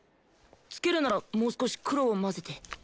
つけるならもう少し黒を混ぜて。